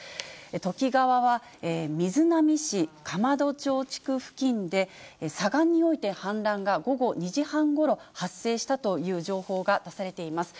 土岐川は瑞浪市かまど町地区付近で左岸において氾濫が午後２時半ごろ、発生したという情報が出されています。